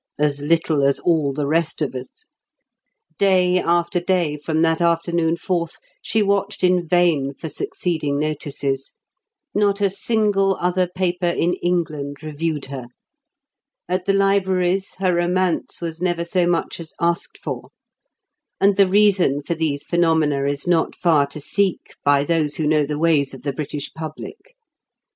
As little as all the rest of us. Day after day, from that afternoon forth, she watched in vain for succeeding notices. Not a single other paper in England reviewed her. At the libraries, her romance was never so much as asked for. And the reason for these phenomena is not far to seek by those who know the ways of the British public.